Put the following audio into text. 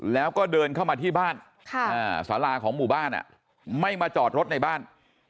แล้วก็เดินเข้ามาที่บ้านสาราของหมู่บ้านไม่มาจอดรถในบ้าน